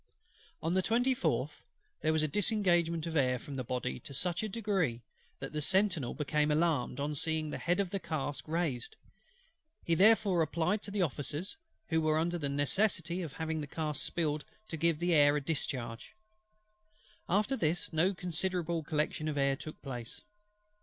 On the 24th there was a disengagement of air from the Body to such a degree, that the sentinel became alarmed on seeing the head of the cask raised: he therefore applied to the Officers, who were under the necessity of having the cask spiled to give the air a discharge. After this, no considerable collection of air took place.